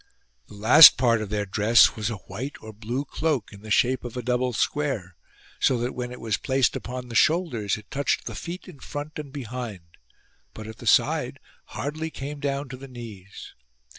The last part of their dress was a white or blue cloak in the shape of a double square ; so that when it was placed upon the shoulders it touched the feet in front and behind, but at the side hardly came down to the knees.